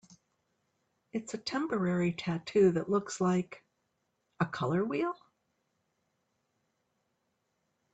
It's a temporary tattoo that looks like... a color wheel?